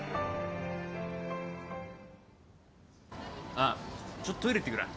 あっちょっとトイレ行ってくるわ。